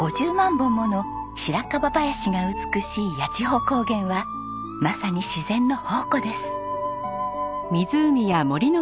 本もの白樺林が美しい八千穂高原はまさに自然の宝庫です。